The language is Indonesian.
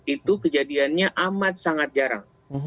itu kejadiannya amat sangat jarang